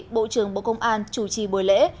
bộ trưởng bộ công an chủ trì buổi lễ